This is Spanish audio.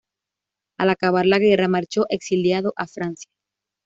Al acabar la guerra marchó exiliado a Francia.